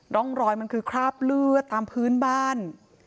ร่องรอยมันคือคราบเลือดตามพื้นบ้าน